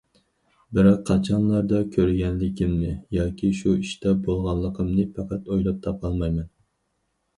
بىراق قاچانلاردا كۆرگەنلىكىمنى ياكى شۇ ئىشتا بولغانلىقىمنى پەقەت ئويلاپ تاپالمايمەن.